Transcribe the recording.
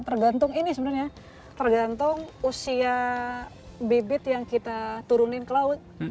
tergantung ini sebenarnya tergantung usia bibit yang kita turunin ke laut